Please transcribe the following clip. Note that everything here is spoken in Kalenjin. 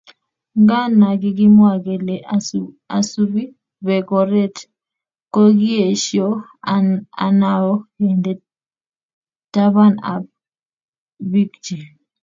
Nganda kikimwa kele isubi Bek oret, kokiesio Anao kende taban ak bikchi